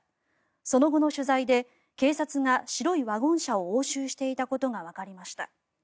その後の取材で警察が白いワゴン車を押収していたことがわかりました。